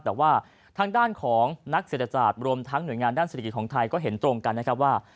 แต่ว่าทางด้านของนักเศรษฐศาสตร์รวมทั้งหน่วยงานด้านเศรษฐกิจของไทยก็เห็นตรงกันนะครับว่า